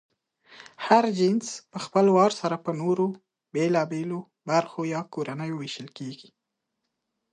هر جنس پهخپل وار سره په نورو بېلابېلو برخو یا کورنیو وېشل کېږي.